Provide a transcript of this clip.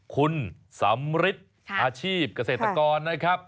คุณสำริทอาชีพเกษตรกรนะครับ